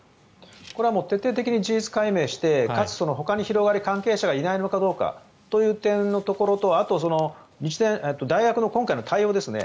これは徹底的に事実解明してほかに関係する関係者がいないのかどうかという点と大学の今回の対応ですね。